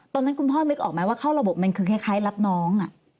ตอนนั้นคุณพ่อนึกออกไหมว่าเข้าระบบมันคือคล้ายรับน้อง